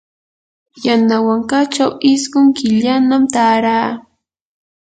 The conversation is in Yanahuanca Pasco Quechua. yanawankachaw isqun killanam taaraa.